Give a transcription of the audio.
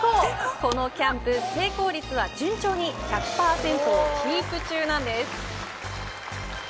このキャンプ成功率は順調に１００％をキープ中なんです。